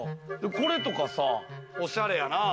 これとかさ、おしゃれやな。